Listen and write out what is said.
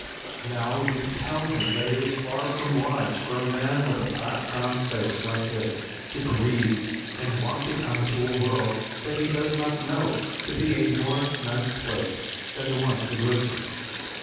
Now you could tell him that it is far from wise for a man with a fat round face like his, to grieve and want to come to a world that he does not know to be a more nice place than the one he lives in.